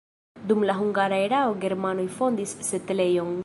Dum la hungara erao germanoj fondis setlejon.